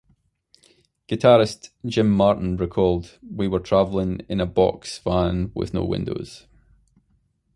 Guitarist Jim Martin recalled We were travelling in a box van with no windows.